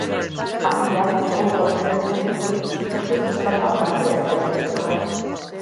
Agenteak segundo batzuk behar izan ditu, ustezko ezpata bastoia zela ikusteko.